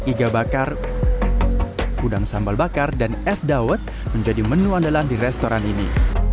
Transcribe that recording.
iga bakar udang sambal bakar dan es dawet menjadi menu andalan di restoran ini